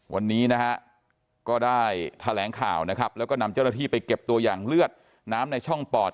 วันนี้นะฮะก็ได้แถลงข่าวนะครับแล้วก็นำเจ้าหน้าที่ไปเก็บตัวอย่างเลือดน้ำในช่องปอด